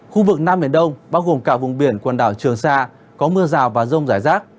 khu vực nam biển đông bao gồm cả vùng biển quần đảo trường sa có mưa rào và rông rải rác